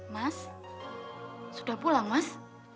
mas sudah pulang mas